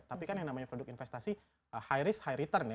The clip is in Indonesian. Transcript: tapi kan yang namanya produk investasi high risk high return ya